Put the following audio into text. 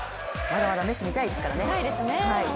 まだまだメッシ、見たいですからね。